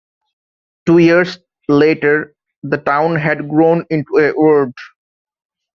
Two years later the town had grown into a ward.